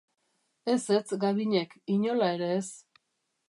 Ezetz Gabinek, inola ere ez.